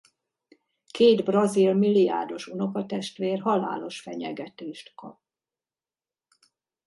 Két brazil milliárdos unokatestvér halálos fenyegetés kap.